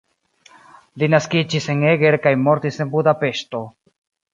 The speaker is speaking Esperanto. Li naskiĝis en Eger kaj mortis en Budapeŝto.